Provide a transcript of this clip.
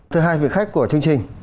thưa hai vị khách của chương trình